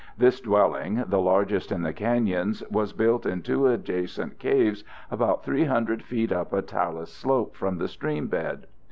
This dwelling, the largest in the canyons, was built in two adjacent caves about 300 feet up a talus slope from the streambed.